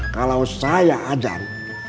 kalau saya ajan